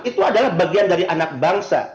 itu adalah bagian dari anak bangsa